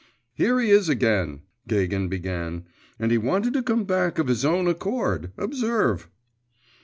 'Here he is again,' Gagin began, 'and he wanted to come back of his own accord, observe.